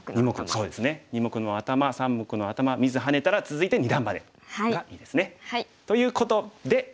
そうですね二目のアタマ三目のアタマ見ずハネたら続いて二段バネがいいですね。ということで。